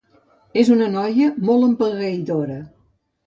És una noia molt empegueïdora.